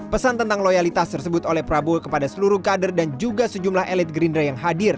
pesan tentang loyalitas tersebut oleh prabowo kepada seluruh kader dan juga sejumlah elit gerindra yang hadir